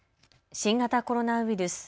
新型コロナウイルス。